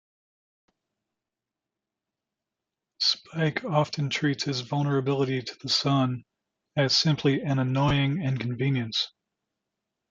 Spike often treats his vulnerability to the sun as simply an annoying inconvenience.